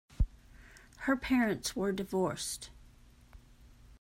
Her parents were divorced.